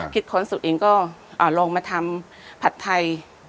ค้นสูตรเองก็ลองมาทำผัดไทย